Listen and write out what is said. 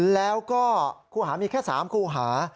แล้วก็คู่หามีแค่๓คู่หา